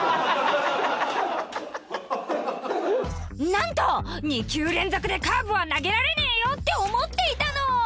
なんと２球連続でカーブは投げられねえよって思っていたの！